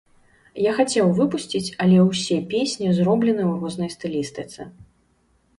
Я хацеў выпусціць, але ўсе песні зроблены ў рознай стылістыцы.